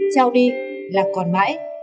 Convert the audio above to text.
trao đi là còn mãi